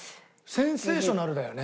センセーショナルだよね。